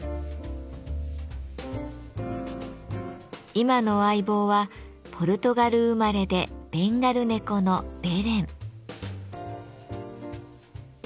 今の相棒はポルトガル生まれでベンガル猫のベレン。